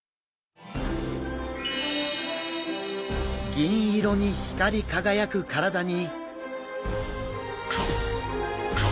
銀色に光り輝く体に。